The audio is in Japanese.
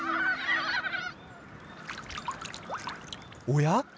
おや？